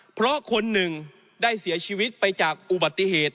เพราะคนหนึ่งได้เสียชีวิตไปจากอุบัติเหตุ